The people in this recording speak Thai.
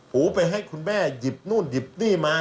หูไปให้คุณแม่หยิบนู่นหยิบนี่มา